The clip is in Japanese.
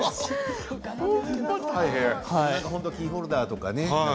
キーホルダーとかね